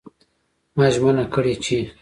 ما ژمنه کړې چې